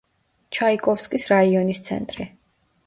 ჩაიკოვსკის რაიონის ცენტრი.